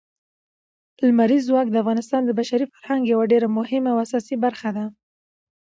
لمریز ځواک د افغانستان د بشري فرهنګ یوه ډېره مهمه او اساسي برخه ده.